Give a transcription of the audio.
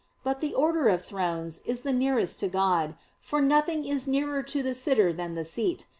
But the order of "Thrones" is the nearest to God; for nothing is nearer to the sitter than the seat.